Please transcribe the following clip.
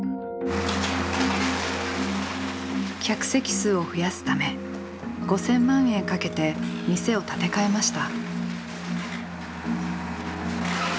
客席数を増やすため５，０００万円かけて店を建て替えました。